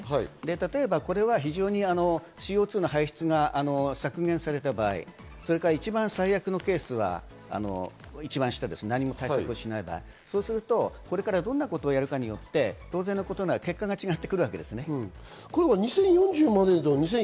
例えばこれはＣＯ２の排出が削減された場合、一番最悪のケースは一番下、対策をしない、取らない場合、これからどんなことをやるかによって当然のことながら結果が違ってくるわけです。